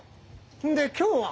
で今日は。